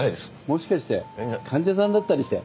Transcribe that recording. もしかして患者さんだったりして。